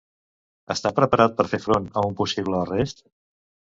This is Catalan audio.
Està preparat per fer front a un possible arrest?